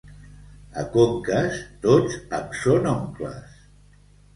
A Conques tots em són oncles.